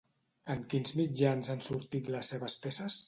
En quins mitjans han sortit les seves peces?